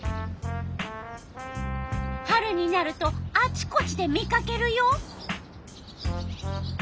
春になるとあちこちで見かけるよ。